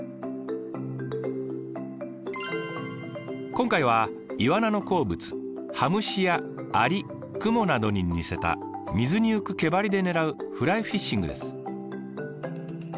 今回はイワナの好物羽虫やアリクモなどに似せた水に浮く毛ばりで狙うフライフィッシングです。